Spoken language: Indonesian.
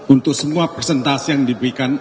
untuk semua presentasi yang diberikan